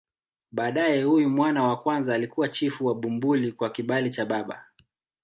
Baadaye huyu mwana wa kwanza alikuwa chifu wa Bumbuli kwa kibali cha baba.